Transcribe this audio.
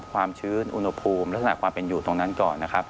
ความชื้นอุณหภูมิลักษณะความเป็นอยู่ตรงนั้นก่อนนะครับ